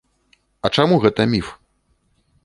А чаму гэта міф?